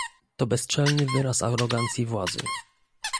To bezczelny wyraz arogancji władzy!